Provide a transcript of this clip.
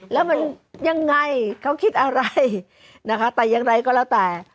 แล้วมันยังไงเขาคิดอะไรนะคะแต่อย่างไรก็แล้วแต่